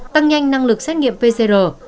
tăng nhanh năng lực xét nghiệm pcr